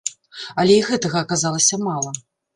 Але і гэтага аказалася мала.